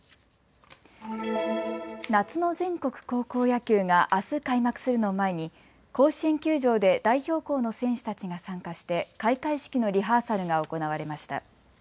夏の全国高校野球があす開幕するのを前に甲子園球場で代表校の選手たちが参加して開会式のリハーサルが行われました。